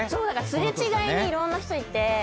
擦れ違いにいろんな人いて。